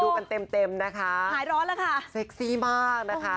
กันเต็มเต็มนะคะหายร้อนแล้วค่ะเซ็กซี่มากนะคะ